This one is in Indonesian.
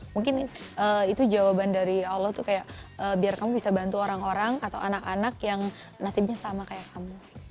mungkin itu jawaban dari allah tuh kayak biar kamu bisa bantu orang orang atau anak anak yang nasibnya sama kayak kamu